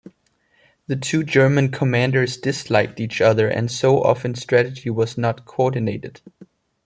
The two German commanders disliked each other, and so often strategy was not coordinated.